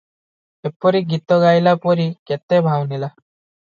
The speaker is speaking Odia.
ଏପରି ଗୀତ ଗାଇଲା ପରି କେତେ ବାହୁନିଲା ।